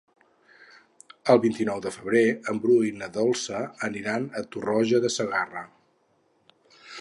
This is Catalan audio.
El vint-i-nou de febrer en Bru i na Dolça aniran a Tarroja de Segarra.